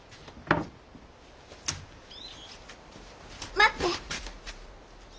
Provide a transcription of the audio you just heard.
待って！